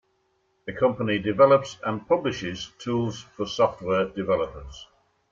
The company develops and publishes tools for software developers.